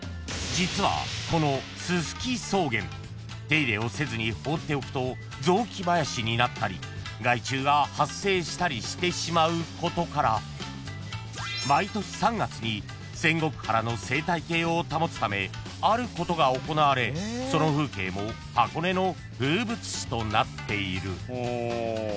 ［実はこのすすき草原手入れをせずに放っておくと雑木林になったり害虫が発生したりしてしまうことから毎年３月に仙石原の生態系を保つためあることが行われその風景も箱根の風物詩となっている］